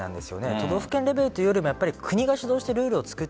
都道府県レベルというよりも国が主導してルールを作る。